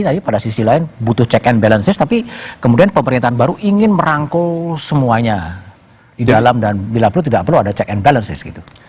tapi pada sisi lain butuh check and balances tapi kemudian pemerintahan baru ingin merangkul semuanya di dalam dan bila perlu tidak perlu ada check and balances gitu